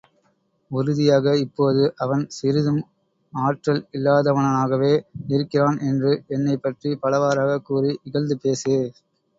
உறுதியாக இப்போது அவன் சிறிதும் ஆற்றல் இல்லாதவனாகவே இருக்கிறான் என்று என்னைப் பற்றிப் பலவாறாகக் கூறி இகழ்ந்து பேசு.